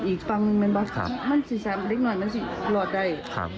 อีกฝั่งแห่งมันบาดครับมันสิเศษามันเล็กนิดหน่อยมันรอดได้